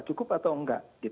cukup atau nggak